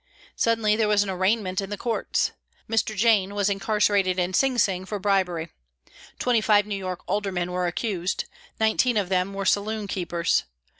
Suddenly there was an arraignment in the courts. Mr. Jaehne was incarcerated in Sing Sing for bribery. Twenty five New York aldermen were accused. Nineteen of them were saloon keepers.